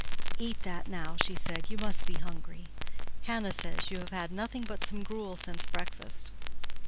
"Eat that now," she said: "you must be hungry. Hannah says you have had nothing but some gruel since breakfast."